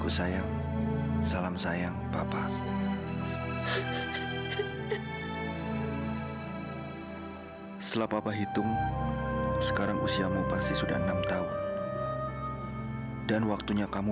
sampai jumpa di video selanjutnya